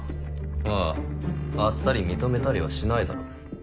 あああっさり認めたりはしないだろう